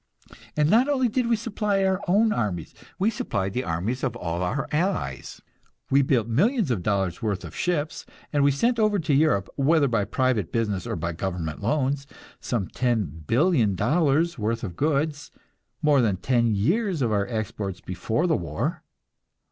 And not only did we supply our own armies, we supplied the armies of all our allies. We built millions of dollars worth of ships, and we sent over to Europe, whether by private business or by government loans, some $10,000,000,000 worth of goods more than ten years of our exports before the war.